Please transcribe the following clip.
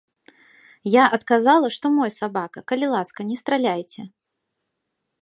Я адказала, што мой сабака, калі ласка, не страляйце.